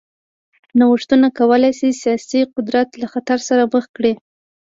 نوښتونه کولای شي سیاسي قدرت له خطر سره مخ کړي.